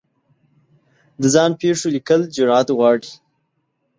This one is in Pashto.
د ځان پېښو لیکل جرعت غواړي.